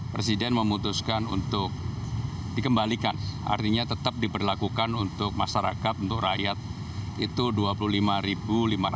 presiden memutuskan untuk dikembalikan artinya tetap diberlakukan untuk masyarakat untuk rakyat itu rp dua puluh lima lima ratus